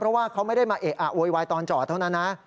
เพราะว่าเขาไม่ได้มาเอะอะโวยวายตอนจอดเท่านั้นนะ